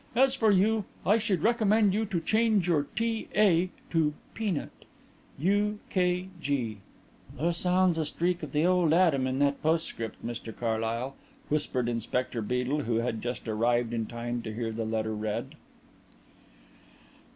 As for you, I should recommend you to change your T. A. to 'Peanut.' "U. K. G." "There sounds a streak of the old Adam in that postscript, Mr Carlyle," whispered Inspector Beedel, who had just arrived in time to hear the letter read.